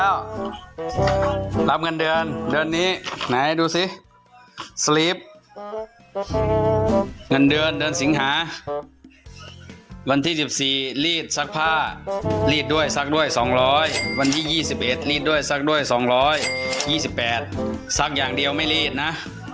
สลีบเงินเดือนเดือนสิงหาวันที่๑๔รีดซักผ้ารีดด้วยซักด้วย๒๐๐วันที่๒๑รีดด้วยซักด้วย๒๒๘ซักอย่างเดียวไม่รีดนะ